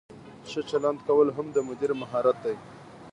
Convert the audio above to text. ښه چلند کول هم د مدیر مهارت دی.